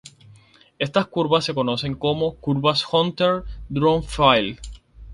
Estas curvas se conocen como curvas Hunter–Driffield.